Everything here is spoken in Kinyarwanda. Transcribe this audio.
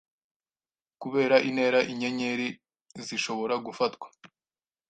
Kubera intera inyenyeri zishobora gufatwa